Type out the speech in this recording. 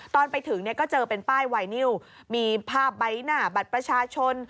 ตอนไปถึงเนี่ยก็เจอเป็นป้ายไวนิวมีภาพใบหน้าบัตรประชาชน